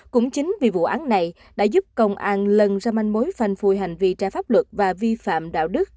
cũng chính vì vụ án này đã giúp công an lần ra manh mối phanh phui hành vi trái pháp luật và vi phạm đạo đức